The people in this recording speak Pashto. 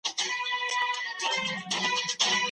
هغه کسان چي سياست پېژني تېروتنې نه کوي.